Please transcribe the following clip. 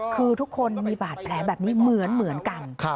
คือทุกคนมีบาดแผลแบบนี้เหมือนกัน